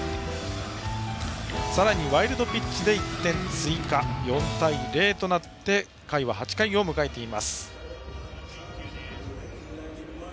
さらにワイルドピッチで１点追加、４対０となって８回を迎えています。